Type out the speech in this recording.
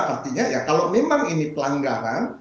artinya ya kalau memang ini pelanggaran